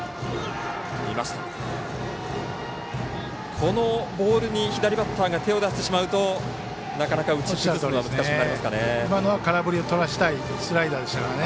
このボールに左バッターが手を出してしまうとなかなか打ち崩すのは難しくなりますかね。